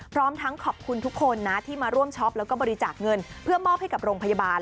พร้อมทั้งขอบคุณทุกคนนะที่มาร่วมช็อปแล้วก็บริจาคเงินเพื่อมอบให้กับโรงพยาบาล